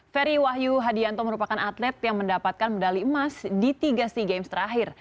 ferry wahyu hadianto merupakan atlet yang mendapatkan medali emas di tiga sea games terakhir